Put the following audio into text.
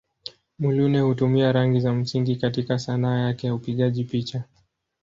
Muluneh hutumia rangi za msingi katika Sanaa yake ya upigaji picha.